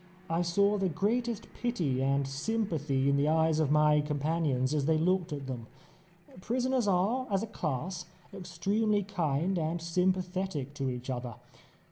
I saw the greatest pity and sympathy in the eyes of my companions as they looked at them. Prisoners are, as a class, extremely kind and sympathetic to each other.